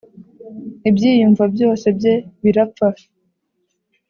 ibyiyumvo byose bye birapfa